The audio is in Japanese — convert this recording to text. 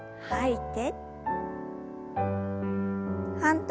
はい。